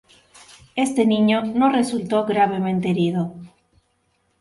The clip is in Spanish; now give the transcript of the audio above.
Este niño no resultó gravemente herido.